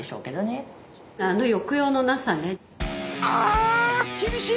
ああ厳しい！